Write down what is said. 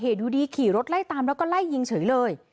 ดูดีขี่รถไล่ตามแล้วก็ไล่ยิงเฉยเลย